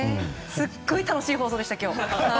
すごい楽しい放送でした、今日！